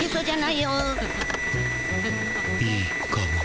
いいかも。